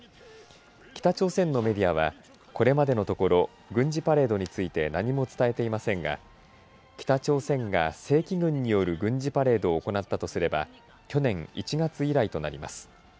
北朝鮮のメディアはこれまでのところ軍事パレードについて何も伝えていませんが北朝鮮が正規軍による軍事パレードを行ったとすれば去年１月以来となります。